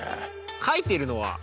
描いているのは。